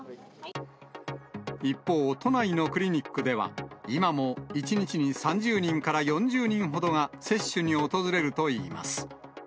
一方、都内のクリニックでは、今も１日に３０人から４０人ほどが接種に訪れるといいます。